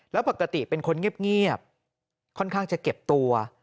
แล้วปกติเป็นคนเงียบค่อนข้างจะเก็บตัว